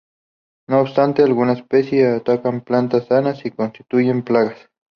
No obstante, algunas especies atacan plantas sanas y constituyen plagas.